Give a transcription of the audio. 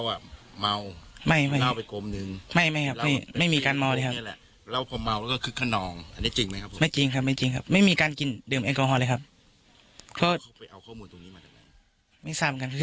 แล้วเขาบอกว่านี่